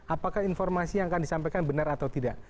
apakah informasi yang akan disampaikan benar atau tidak